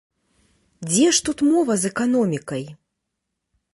Дзе ж тут мова з эканомікай?